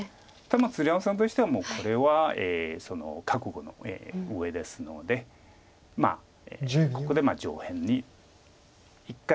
鶴山さんとしてはこれは覚悟の上ですのでここで上辺に一回転進して。